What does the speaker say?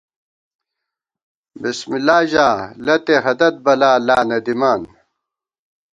بِسم اللہ ژا لتےہَدَت بلا لا نہ دِمان